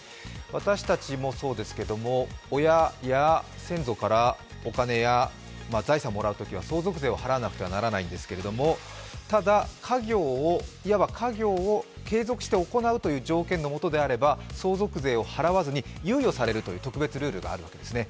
私たちもそうですけども、親や先祖からお金や財産をもらうときは相続税を払わなければならないんですがただ、いわば家業を継続して行うという条件のもとであれば、相続税を払わずに猶予されるという特別ルールがあるわけですね。